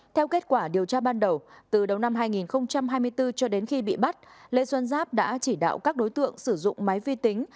theo kết quả điều tra ban đầu từ đầu năm hai nghìn hai mươi bốn cho đến khi bị bắt lê xuân giáp đã chỉ đạo các đối tượng sử dụng máy vi tính